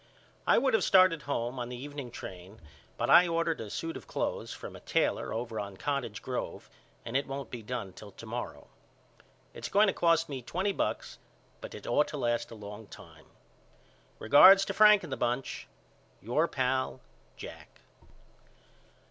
I would of started home on the evening train but I ordered a suit of cloths from a tailor over on Cottage Grove and it won't be done till to morrow. It's going to cost me twenty bucks but it ought to last a long time. Regards to Frank and the bunch. Your Pal, JACK.